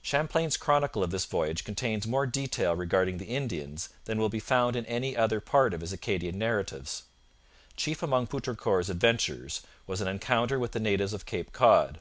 Champlain's chronicle of this voyage contains more detail regarding the Indians than will be found in any other part of his Acadian narratives. Chief among Poutrincourt's adventures was an encounter with the natives of Cape Cod.